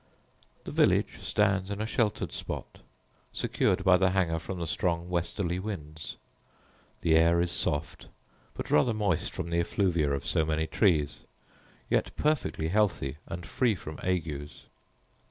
The village stands in a sheltered spot, secured by the Hanger from the strong westerly winds. The air is soft, but rather moist from the effluvia of so many trees; yet perfectly healthy and free from agues.